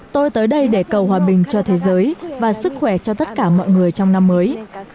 tôi tới đây để cầu hòa bình cho thế giới và sức khỏe cho tất cả mọi người trong năm mới